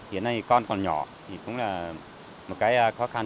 hiện nay con còn nhỏ thì cũng là một cái khó khăn